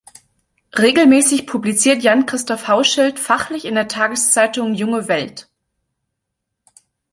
Regelmäßig publiziert Jan-Christoph Hauschild fachlich in der Tageszeitung "junge Welt".